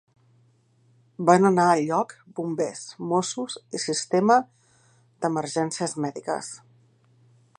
Van anar al lloc Bombers, Mossos i Sistema d'Emergències Mèdiques.